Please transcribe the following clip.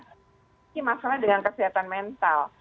ini masalah dengan kesehatan mental